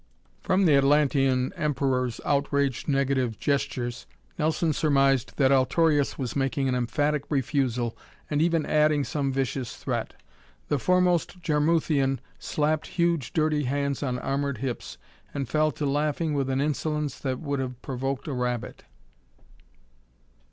From the Atlantean Emperor's outraged negative gestures, Nelson surmised that Altorius was making an emphatic refusal and even adding some vicious threat. The foremost Jarmuthian slapped huge dirty hands on armored hips and fell to laughing with an insolence that would have provoked a rabbit.